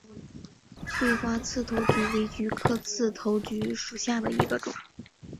穗花刺头菊为菊科刺头菊属下的一个种。